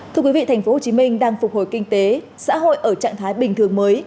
thưa quý vị tp hcm đang phục hồi kinh tế xã hội ở trạng thái bình thường mới